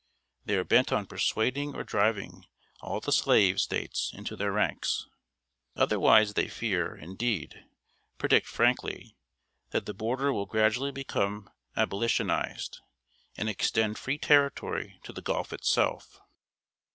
They are bent on persuading or driving all the slave States into their ranks. Otherwise they fear indeed, predict frankly that the border will gradually become Abolitionized, and extend free territory to the Gulf itself.